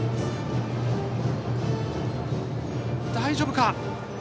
大丈夫か。